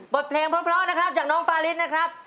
บทเพลงเพราะนะครับจากน้องฟาริสนะครับ